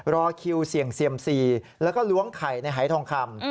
รอคิวเสี่ยงเซียมซีแล้วก็ล้วงไข่ในหายทองคำ